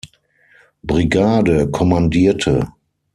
Brigade kommandierte.